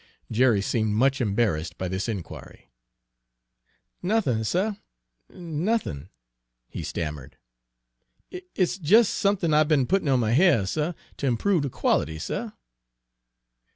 Jerry seemed much embarrassed by this inquiry. "Nothin', suh, nothin'," he stammered. "It's it's jes' somethin' I be'n puttin' on my hair, suh, ter improve de quality, suh."